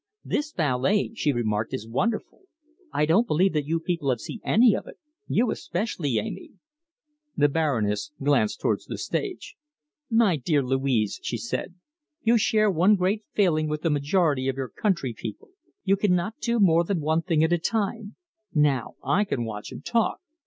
"This ballet," she remarked, "is wonderful. I don't believe that you people have seen any of it you especially, Amy." The Baroness glanced towards the stage. "My dear Louise," she said, "you share one great failing with the majority of your country people. You cannot do more than one thing at a time. Now I can watch and talk.